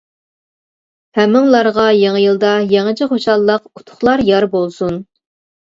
ھەممىڭلارغا يېڭى يىلدا يېڭىچە خۇشاللىق، ئۇتۇقلار يار بولسۇن!